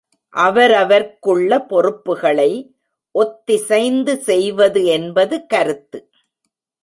அவரவர்க்குள்ள பொறுப்புகளை ஒத்திசைந்து செய்வது என்பது கருத்து.